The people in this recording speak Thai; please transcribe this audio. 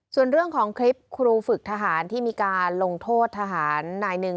ส่วนเรื่องของคลิปครูฝึกทหารที่มีการลงโทษทหารนายหนึ่ง